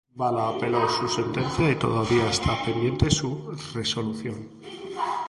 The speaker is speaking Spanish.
Bala apeló su sentencia y todavía está pendiente su resolución.